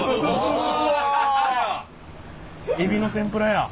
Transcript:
エビの天ぷらや！